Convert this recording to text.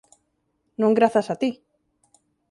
Non grazas a ti.